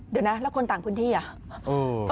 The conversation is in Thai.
เดี๋ยวนะแล้วคนต่างพื้นที่อ่ะ